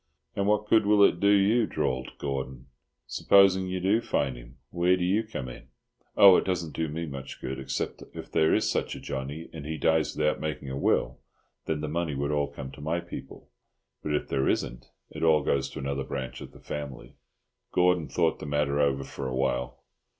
"And what good will it do you," drawled Gordon, "supposing you do find him? Where do you come in?" "Oh, it doesn't do me much good, except that if there is such a Johnny, and he dies without making a will, then the money would all come to my people. But if there isn't, it all goes to another branch of the family." Gordon thought the matter over for a while.